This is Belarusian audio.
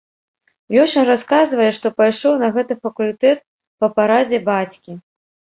Лёша расказвае, што пайшоў на гэты факультэт па парадзе бацькі.